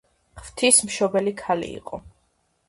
ღვთის მშობელი ქალი იყო.